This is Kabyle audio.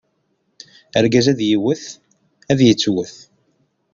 Argaz ad iwwet, ad ittuwwet.